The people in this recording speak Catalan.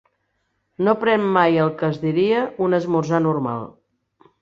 No pren mai el que es diria un 'esmorzar normal'.